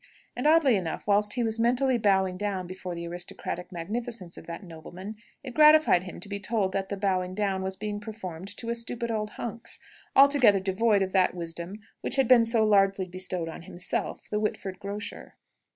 And, oddly enough, whilst he was mentally bowing down before the aristocratic magnificence of that nobleman, it gratified him to be told that the bowing down was being performed to a "stupid old hunks," altogether devoid of that wisdom which had been so largely bestowed on himself, the Whitford grocer.